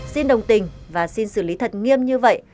xin đồng tình và xin xử lý thật nghiêm như vậy